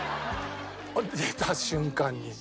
出た瞬間に。